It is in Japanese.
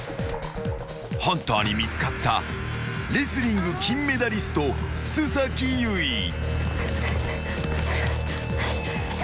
［ハンターに見つかったレスリング金メダリスト須優衣］